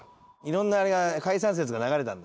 いろんなあれが解散説が流れたんだ。